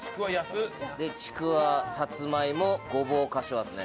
でちくわさつまいもごぼうかしわですね。